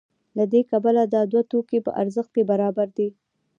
له همدې کبله دا دوه توکي په ارزښت کې برابر دي